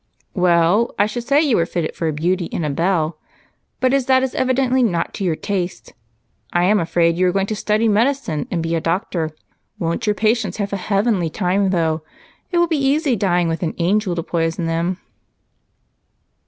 "Well, I should say that you were fitted for a beauty and a belle, but as that is evidently not to your taste, I am afraid you are going to study medicine and be a doctor. Won't your patients have a heavenly time though? It will be easy dying with an angel to poison them."